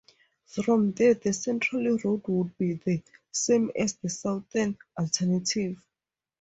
From there the central route would be the same as the southern alternative.